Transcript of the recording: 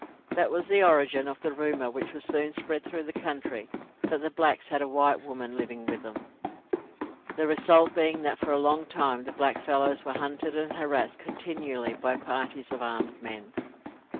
That was the origin of the rumour which was soon spread through the country that the blacks had a white woman living with them, the result being that for a long time the blackfellows were hunted and harassed continually by parties of armed men.